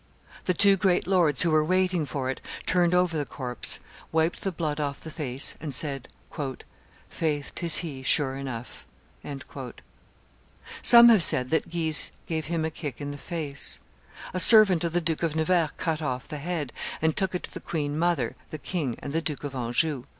The two great lords, who were waiting for it, turned over the corpse, wiped the blood off the face, and said, "Faith, 'tis he, sure enough." [Illustration: Henry de Guise and the Corpse of Coligny 369] Some have said that Guise gave him a kick in the face. A servant of the Duke of Nevers cut off the head, and took it to the queen mother, the king, and the Duke of Anjou.